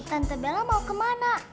tante bella mau kemana